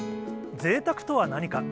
ぜいたくとは何か。